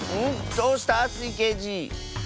どうした⁉スイけいじ。